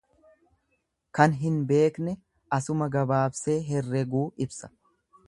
Kan hin beekne asuma gabaabsee herreguu ibsa.